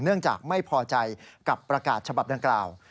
เนื่องจากไม่พอใจกับประกาศฉบับดังกล่าว